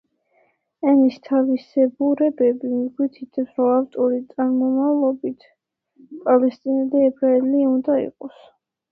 ენის თავისებურებები მიგვითითებს, რომ ავტორი წარმომავლობით პალესტინელი ებრაელი უნდა იყოს.